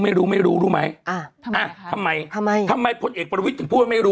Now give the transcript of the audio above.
ไม่รู้ไม่รู้รู้ไหมอ่าทำไมอ่ะทำไมทำไมพลเอกประวิทย์ถึงพูดว่าไม่รู้